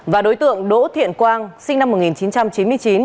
và đối tượng đỗ thiện quang sinh năm một nghìn chín trăm chín mươi chín